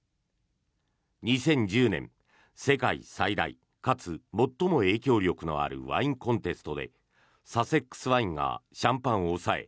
２０１０年、世界最大かつ最も影響力のあるワインコンテストでサセックス・ワインがシャンパンを抑え